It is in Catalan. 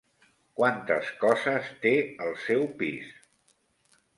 Quantes coses té el seu pis?